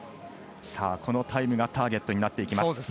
このタイムがターゲットになっていきます。